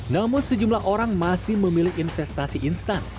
namun sejumlah orang masih memilih investasi instan